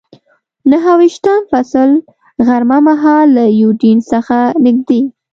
نهه ویشتم فصل، غرمه مهال له یوډین څخه نږدې.